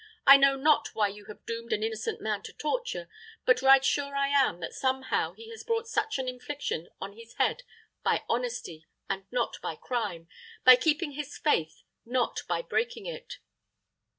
I know not why you have doomed an innocent man to torture, but right sure I am that somehow he has brought such an infliction on his head by honesty, and not by crime; by keeping his faith, not by breaking it."